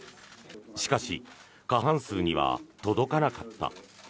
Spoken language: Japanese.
しかし過半数には届かなかった。